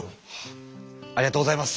ありがとうございます。